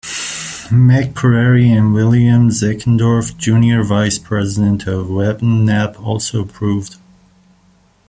McCrary and William Zeckendorf, Junior vice-president of Webb and Knapp, also approved.